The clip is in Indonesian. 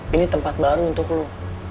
ini tempat baru untuk lu